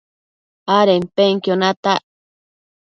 adenpenquio natac